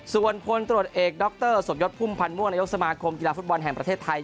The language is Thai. ส่วนพลตรวจเอกดรสมยศพุ่มพันธ์ม่วงนายกสมาคมกีฬาฟุตบอลแห่งประเทศไทย